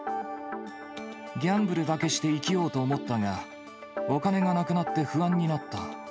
ギャンブルだけして生きようと思ったが、お金がなくなって不安になった。